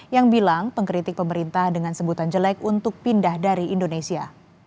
yang bilang pengkritik pemerintah dengan sebutan jelek untuk pindah dari indonesia